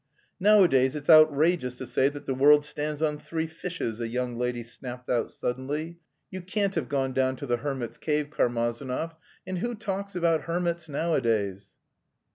"Nowadays it's outrageous to say that the world stands on three fishes," a young lady snapped out suddenly. "You can't have gone down to the hermit's cave, Karmazinov. And who talks about hermits nowadays?"